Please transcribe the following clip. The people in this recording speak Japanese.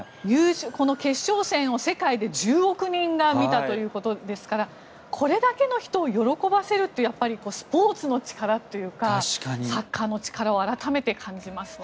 決勝戦を世界で１０億人が見たということですからこれだけの人を喜ばせるっていうスポーツの力というかサッカーの力を改めて感じますね。